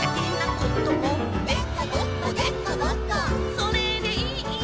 「それでいい」